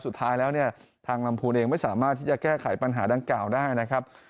สุดท้ายแล้วเนี่ยทางลำพูนเองไม่สามารถที่จะแก้ไขปัญหาดังกล่าวได้นะครับ